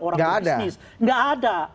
orang berbisnis gak ada